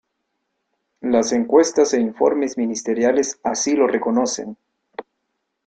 Las encuestas e informes ministeriales así lo reconocen.